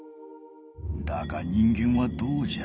だが人間はどうじゃ。